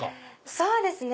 そうですね。